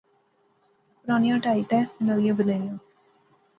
پرانیاں ٹہائی تے نویاں بنایاں